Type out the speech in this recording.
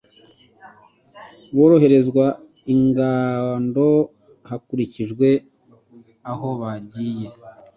boroherezwa ingendo hakurikijwe ahobagiye